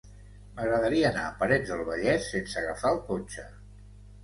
M'agradaria anar a Parets del Vallès sense agafar el cotxe.